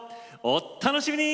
お楽しみに！